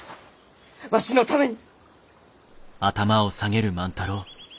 わしのために！